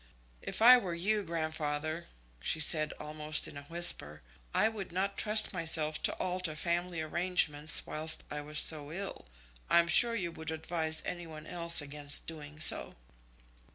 "If I were you, grandfather," she said almost in a whisper, "I would not trust myself to alter family arrangements whilst I was ill. I'm sure you would advise any one else against doing so."